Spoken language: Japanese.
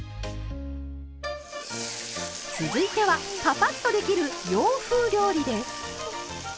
続いてはパパッとできる洋風料理です。